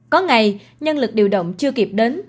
có ngày nhân lực điều động chưa kịp đến